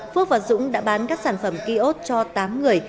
phước và dũng đã bán các sản phẩm kiosk cho tám người